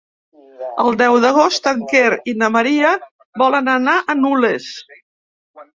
El deu d'agost en Quer i na Maria volen anar a Nules.